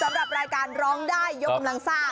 สำหรับรายการร้องได้ยกกำลังซ่า